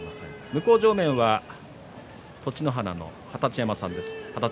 向正面は栃乃花の二十山さんです。